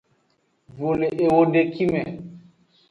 Vo le ewodeki me.